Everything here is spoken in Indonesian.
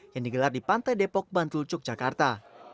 yang digelar di pantai depok bantul yogyakarta